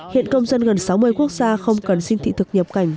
hiện công dân gần sáu mươi quốc gia không cần xin thị thực nhập cảnh